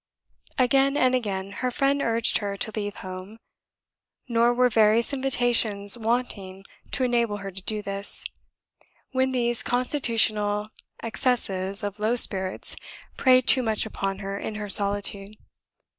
Again and again, her friend urged her to leave home; nor were various invitations wanting to enable her to do this, when these constitutional accesses of low spirits preyed too much upon her in her solitude.